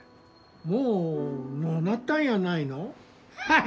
もうのーなったんやないの？